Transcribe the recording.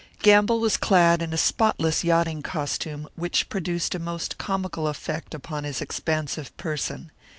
Gamble was clad in a spotless yachting costume, which produced a most comical effect upon his expansive person.